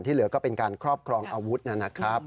เหลือก็เป็นการครอบครองอาวุธนะครับ